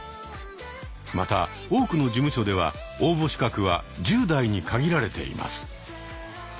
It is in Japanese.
また多くの事務所では応募資格は１０代に限られています。